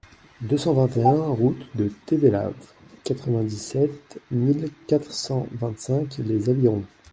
deux cent vingt et un route du Tévelave, quatre-vingt-dix-sept mille quatre cent vingt-cinq Les Avirons